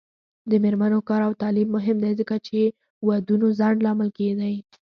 د میرمنو کار او تعلیم مهم دی ځکه چې ودونو ځنډ لامل دی.